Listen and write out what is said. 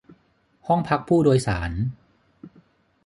ห้องพักผู้โดยสาร